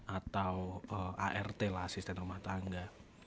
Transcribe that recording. atau art lah asisten rumah tangga